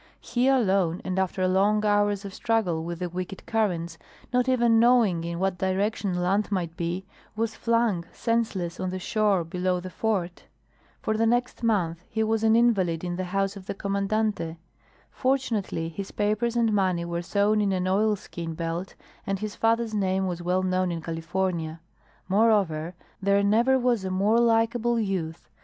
He alone, and after long hours of struggle with the wicked currents, not even knowing in what direction land might be, was flung, senseless, on the shore below the Fort. For the next month he was an invalid in the house of the Commandante. Fortunately, his papers and money were sewn in an oilskin belt and his father's name was well known in California. Moreover, there never was a more likable youth.